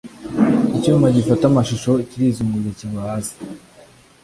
Icyuma gifata amashusho (kamera) kirizunguza kigwa hasi